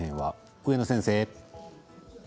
上野先生。